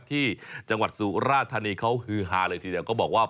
ที่จังหวัดสุราธานีเขาฮือฮาเลยทีเดียวก็บอกว่า